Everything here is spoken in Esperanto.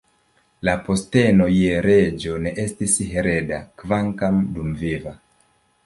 La posteno je reĝo ne estis hereda, kvankam dumviva.